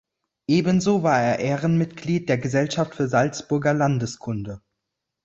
Ebenso war er Ehrenmitglied der Gesellschaft für Salzburger Landeskunde.